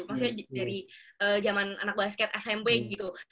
maksudnya dari zaman anak basket smp gitu